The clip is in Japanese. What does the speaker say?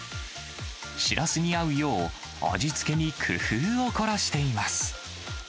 シラスに合うよう、味付けに工夫を凝らしています。